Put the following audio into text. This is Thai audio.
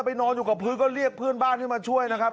นอนอยู่กับพื้นก็เรียกเพื่อนบ้านให้มาช่วยนะครับ